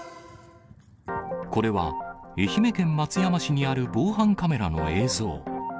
これは、愛媛県松山市にある防犯カメラの映像。